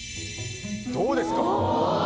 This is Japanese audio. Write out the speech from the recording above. どうですか？